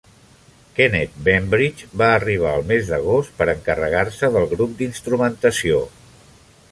Kenneth Bainbridge va arribar el mes d'agost per encarregar-se del grup d'instrumentació.